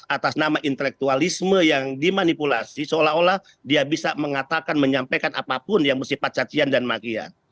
atas nama intelektualisme yang dimanipulasi seolah olah dia bisa mengatakan menyampaikan apapun yang bersifat cacian dan makian